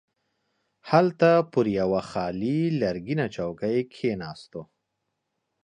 هلته پر یوه خالي لرګینه چوکۍ کښیناستو.